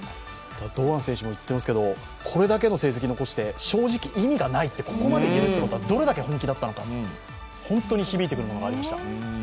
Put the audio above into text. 堂安選手も言っていますけどこれだけの成績を残して正直意味がないとここまで言えるってことはどれだけ本気だったのか本当に響いてくるものがありました。